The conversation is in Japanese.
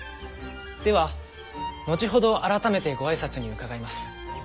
では後ほど改めてご挨拶に伺います。